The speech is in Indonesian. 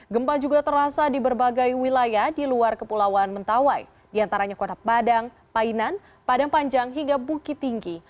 gempa juga terasa di berbagai wilayah di luar kepulauan mentawai diantaranya kota padang painan padang panjang hingga bukit tinggi